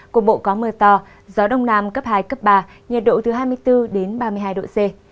cục bộ có mưa to gió đông nam cấp hai cấp ba nhiệt độ từ hai mươi bốn đến ba mươi hai độ c